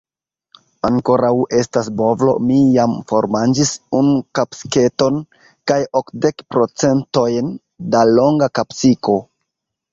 Ankoraŭ estas bovlo, mi jam formanĝis unu kapsiketon, kaj okdek procentojn da longa kapsiko.